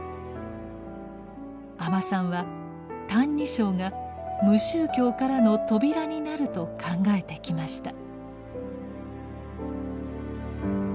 阿満さんは「歎異抄」が無宗教からの扉になると考えてきました。